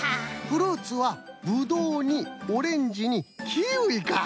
フルーツはぶどうにオレンジにキウイか。